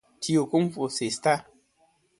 Tio como você está?